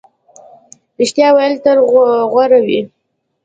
رښتیا ویل تل غوره وي.